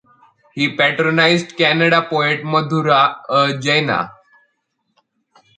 He patronised Kannada poet Madhura, a Jaina.